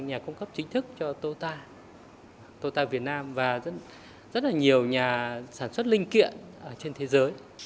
nhà cung cấp chính thức cho tota tota việt nam và rất là nhiều nhà sản xuất linh kiện ở trên thế giới